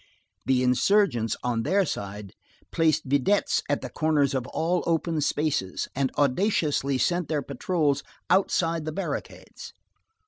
The insurgents, on their side, placed videttes at the corners of all open spaces, and audaciously sent their patrols outside the barricades.